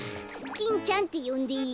キンちゃんってよんでいい？